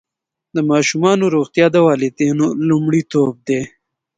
د ماشومانو روغتیا د والدینو لومړیتوب دی.